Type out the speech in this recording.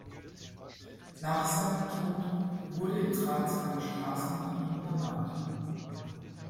Nach seinem Tod wurde in Graz eine Straße nach ihm benannt.